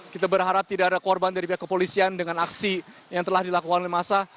kita berharap tidak ada korban dari pihak kepolisian dengan aksi yang telah dilakukan oleh masa